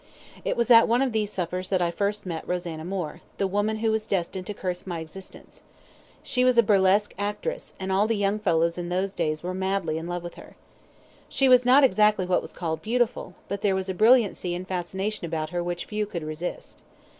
It was at one of these suppers that I first met Rosanna Moore, the woman who was destined to curse my existence. She was a burlesque actress, and all the young fellows in those days were madly in love with her. She was not exactly what was called beautiful, but there was a brilliancy and fascination about her which few could resist.